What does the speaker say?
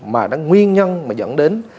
mà nó nguyên nhân mà dẫn đến